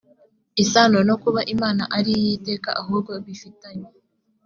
isano no kuba imana ari iy iteka ahubwo bifitanye